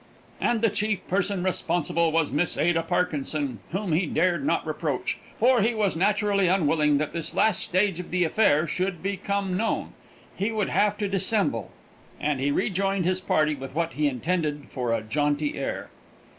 And the chief person responsible was Miss Ada Parkinson, whom he dared not reproach; for he was naturally unwilling that this last stage of the affair should become known. He would have to dissemble, and he rejoined his party with what he intended for a jaunty air.